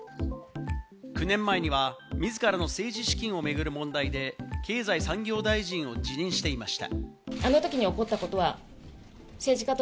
９年前には自らの政治資金を巡る問題で経済産業大臣を辞任していました。